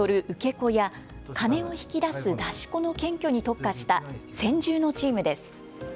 子や金を引き出す出し子の検挙に特化した専従のチームです。